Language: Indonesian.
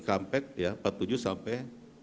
kampek ya empat puluh tujuh sampai